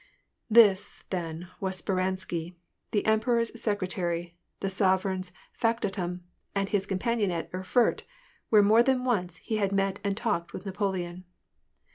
This, then, was Speransky, the emperor's secretary, the sov ereign's factotum, and his companion at Erfurt, where more than once he had met and talked with Napoleon.